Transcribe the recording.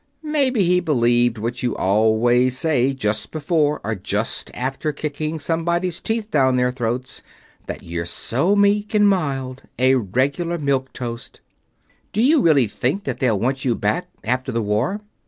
Maybe he believed what you always say just before or just after kicking somebody's teeth down their throats; that you're so meek and mild a regular Milquetoast. Do you really think that they'll want you back, after the war?"